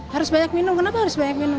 harus banyak minum kenapa harus banyak minum